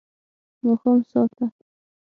ماښام ساه ته